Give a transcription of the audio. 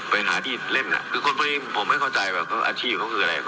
ไปหาที่เล่นน่ะคือคนผมไม่เข้าใจว่าอาชีพเขาคืออะไร